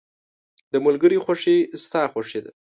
• د ملګري خوښي ستا خوښي ده.